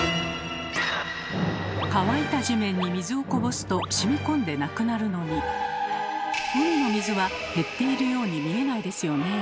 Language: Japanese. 乾いた地面に水をこぼすとしみこんでなくなるのに海の水は減っているように見えないですよねえ。